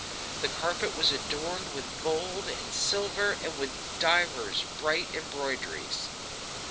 The carpet was adorned with gold and silver and with divers bright embroiderings.